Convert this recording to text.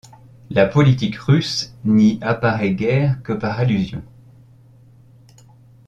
La politique russe n'y apparaît guère que par allusions.